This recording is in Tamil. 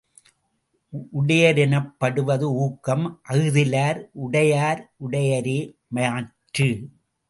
உடைய ரெனப்படுவது ஊக்கம் அஃதிலார் உடையார் உடையரோ மற்று.